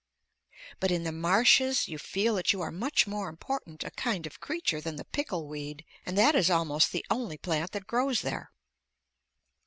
But in the marshes you feel that you are much more important a kind of creature than the pickle weed, and that is almost the only plant that grows there.